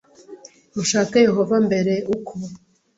Mushake Yehova mbere uko